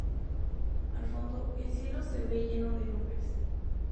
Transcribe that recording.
Al fondo, el cielo se ve lleno de nubes.